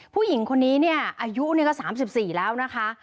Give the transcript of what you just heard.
ผู้หญิงคนนี้เนี่ยอายุก็๓๔แล้วนะคะ